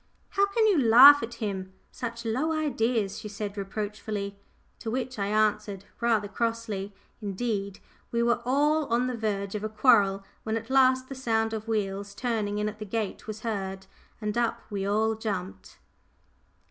"How can you laugh at him such low ideas," she said, reproachfully, to which I answered rather crossly. Indeed, we were all on the verge of a quarrel when at last the sound of wheels turning in at the gate was heard, and up we all jumped.